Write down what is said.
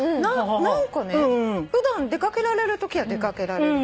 何かね普段出掛けられるときは出掛けられる。